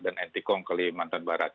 dan ntk kalimantan barat